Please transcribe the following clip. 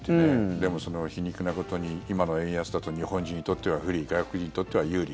でも、皮肉なことに今の円安だと日本人にとっては不利外国人にとっては有利。